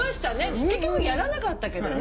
結局やらなかったけどね。